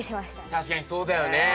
確かにそうだよね。